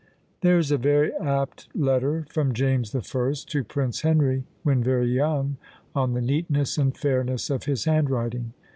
There is a very apt letter from James the First to Prince Henry when very young, on the neatness and fairness of his handwriting.